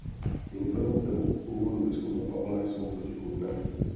Informace o původu biskupa Pavla jsou protichůdné.